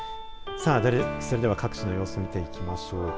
それでは各地の様子を見ていきます。